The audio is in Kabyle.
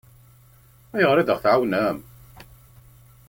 Ayɣer i d-aɣ-tɛawnem?